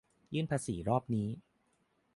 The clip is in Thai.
ยื่นภาษีรอบนี้